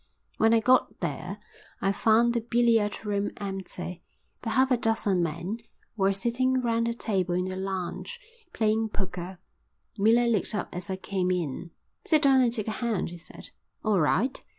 When I got there I found the billiard room empty, but half a dozen men were sitting round a table in the lounge, playing poker. Miller looked up as I came in. "Sit down and take a hand," he said. "All right."